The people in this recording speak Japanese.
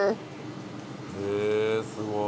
へえすごい。